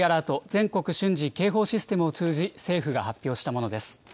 ・全国瞬時警報システムを通じ、政府が発表したものです。